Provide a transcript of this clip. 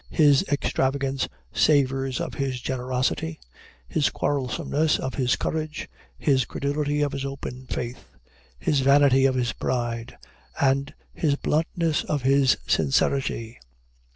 His extravagance savors of his generosity; his quarrelsomeness of his courage; his credulity of his open faith; his vanity of his pride; and his bluntness of his sincerity.